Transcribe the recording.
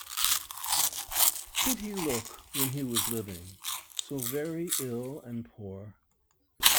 Did he look, when he was living, so very ill and poor?